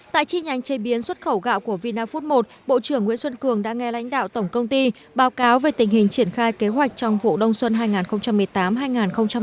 tại chi nhánh chế biến xuất khẩu gạo của vina food một bộ trưởng nguyễn xuân cường đã nghe lãnh đạo tổng công ty báo cáo về tình hình triển khai kế hoạch trong vụ đông xuân hai nghìn một mươi tám hai nghìn một mươi chín